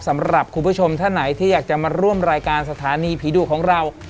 สำหรับคุณผู้ชมท่านไหนที่อยากจะมาร่วมรายการสถานีผีดุของเรา